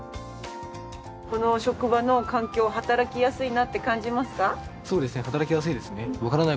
この職場の環境働きやすいなって感じますか？